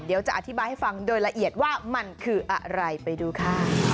เดี๋ยวจะอธิบายให้ฟังโดยละเอียดว่ามันคืออะไรไปดูค่ะ